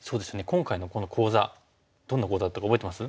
今回のこの講座どんなことだったか覚えてます？